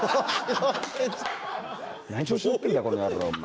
何調子乗ってんだこの野郎お前。